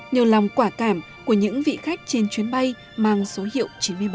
nhiều lòng quả cảm của những vị khách trên chuyến bay mang số hiệu chín mươi bảy